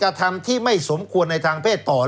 แล้วเขาก็ใช้วิธีการเหมือนกับในการ์ตูน